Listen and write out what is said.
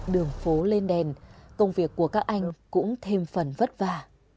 đường phố lên đèn công việc của các anh cũng thêm phần vất vả